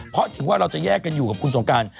เพราะถึงว่าเราจะแยกกันอยู่กับคุณสงการ